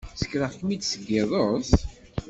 Ssekreɣ-kem-id seg yiḍes?